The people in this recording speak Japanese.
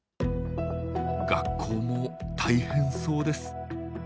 学校も大変そうです。